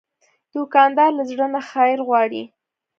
دوکاندار له زړه نه خیر غواړي.